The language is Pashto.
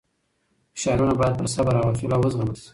فشارونه باید په صبر او حوصله وزغمل شي.